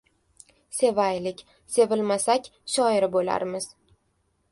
• Sevaylik! Sevilmasak… shoir bo‘larmiz.